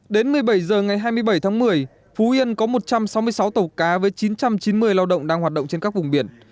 đến một mươi bảy h ngày hai mươi bảy tháng một mươi phú yên có một trăm sáu mươi sáu tàu cá với chín trăm chín mươi lao động đang hoạt động trên các vùng biển